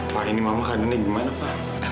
pak ini mama keadaannya gimana pak